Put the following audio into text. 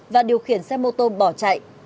và điều khiển xe mô tô bỏ chạy